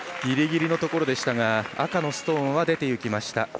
ギリギリのところでしたが赤のストーンは出ていきました。